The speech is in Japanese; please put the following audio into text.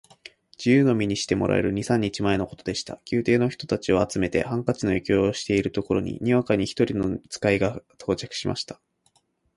自由の身にしてもらえる二三日前のことでした。宮廷の人たちを集めて、ハンカチの余興をしているところへ、にわかに一人の使が到着しました。